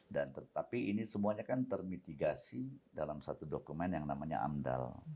dan tetapi ini semuanya kan termitigasi dalam satu dokumen yang namanya amdal